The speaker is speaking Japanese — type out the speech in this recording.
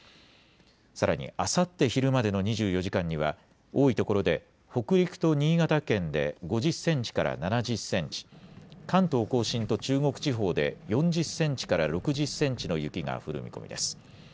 さらに、あさって昼までの２４時間には多いところで北陸と新潟県で５０センチから７０センチ、関東甲信と中国地方で４０センチから６０センチの雪が降る見込みです。